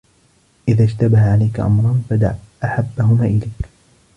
إذَا اشْتَبَهَ عَلَيْك أَمْرَانِ فَدَعْ أَحَبَّهُمَا إلَيْك